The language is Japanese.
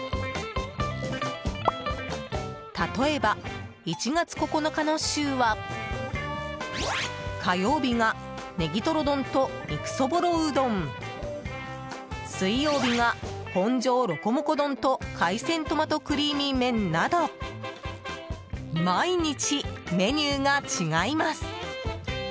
例えば、１月９日の週は火曜日がネギトロ丼と肉そぼろうどん水曜日が、本庄ロコモコ丼と海鮮トマトクリーミー麺など毎日メニューが違います。